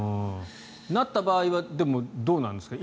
なった場合はでも、どうなんですか。